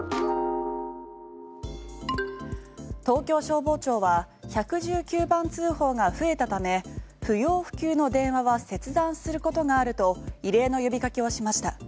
東京消防庁は１１９番通報が増えたため不要不急の電話は切断することがあると異例の呼びかけをしました。